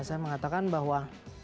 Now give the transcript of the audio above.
saya mengatakan bahwa